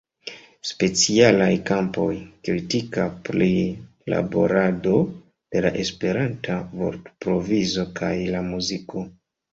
Specialaj kampoj: kritika prilaborado de la Esperanta vortprovizo kaj la muziko.